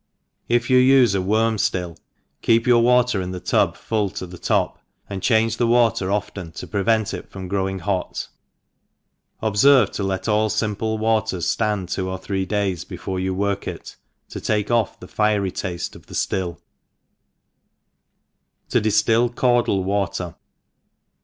— If you ufc a worm ftill, keep your water in the tub full to the top» and change the water often, to prevent it from growing hot J obferve to let all iimple waters (land two or three days before you work it, to take off the fiery tafte of theililh To Jifiiil Cavdle Water.